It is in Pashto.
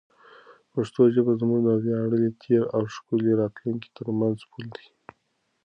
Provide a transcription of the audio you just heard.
پښتو ژبه زموږ د ویاړلي تېر او ښکلي راتلونکي ترمنځ پل دی.